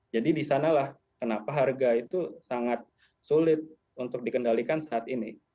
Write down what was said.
jadi di sanalah kenapa harga itu sangat sulit untuk dikendalikan saat ini